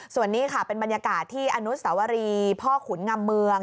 ส่วนนี้ค่ะเป็นบรรยากาศที่อนุสวรีพ่อขุนงำเมือง